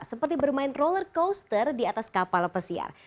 seperti bermain roller coaster di atas kapal pesiar